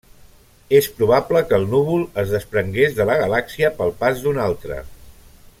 És probable que el núvol es desprengués de la galàxia pel pas d'una altra.